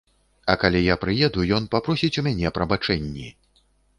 А калі я прыеду, ён папросіць у мяне прабачэнні!